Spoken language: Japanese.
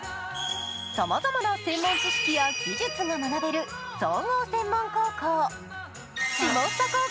さまざまな専門知識や技術が学べる総合専門高校。